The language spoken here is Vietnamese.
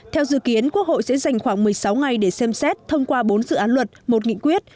theo dự kiến quốc hội sẽ dành khoảng một mươi sáu ngày để xem xét thông qua bốn dự án luật một nghị quyết